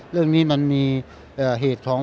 เรื่องนี้มันมีเหตุของปัญหาอะไรบ้าง